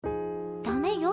ダメよ。